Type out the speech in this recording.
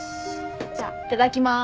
じゃあいただきます。